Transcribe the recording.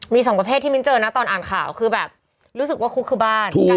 มีสองประเภทที่มิ้นเจอนะตอนอ่านข่าวคือแบบรู้สึกว่าคุกคือบ้าน